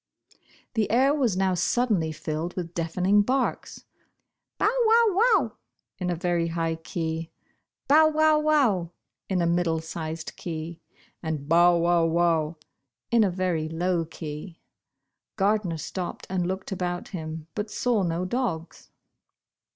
The air was now suddenly filled with deafen ing barks. " Bow wow wow " in a ver)^ high ke\. " bow wow wow " in a middle sized kev, and " bow wow wow " in a ver\" low key. Gardner stopped and looked about him, but saw no dogs.